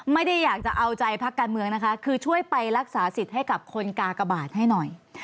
ไม่ได้อยากจะเอาใจพักการเมืองนะคะคือช่วยไปรักษาสิทธิ์ให้กับคนกากบาทให้หน่อย